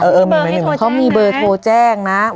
เออมีไหมเค้ามีเบอร์โทรแจ้งนะ